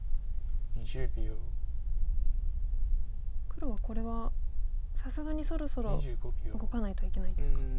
黒はこれはさすがにそろそろ動かないといけないんですか。